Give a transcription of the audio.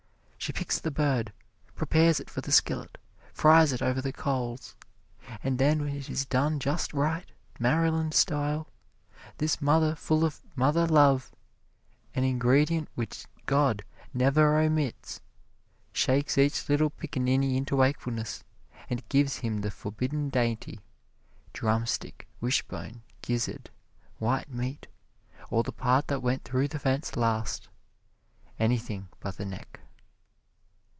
She picks the bird prepares it for the skillet fries it over the coals. And then when it is done just right, Maryland style, this mother full of mother love, an ingredient which God never omits, shakes each little piccaninny into wakefulness, and gives him the forbidden dainty drumstick, wishbone, gizzard, white meat, or the part that went through the fence last anything but the neck.